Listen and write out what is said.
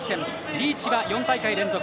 リーチは４大会連続。